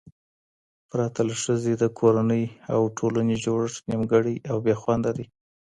پرته له ښځې، د کورنۍ او ټولنې جوړښت نیمګړی او بې خونده دی